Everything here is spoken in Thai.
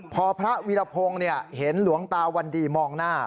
พอพระวีรพงศ์เห็นหลวงตาวันดีมองหน้า